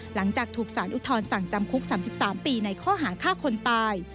หลังจากถูกสารอุทธรณสั่งจำคุก๓๓ปีในข้อหาฆ่าคนตาย